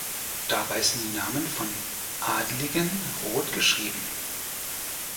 Dabei sind die Namen von Adligen rot geschrieben.